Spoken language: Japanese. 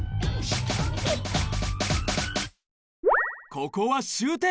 ここは終点。